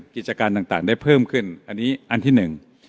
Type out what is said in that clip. กิจการต่างได้เพิ่มขึ้นอันนี้อันที่หนึ่ง